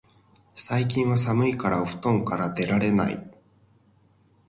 最近は寒いからお布団から出られない